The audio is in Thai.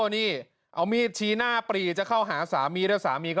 นี่เอามีดชี้หน้าปรีจะเข้าหาสามีแล้วสามีก็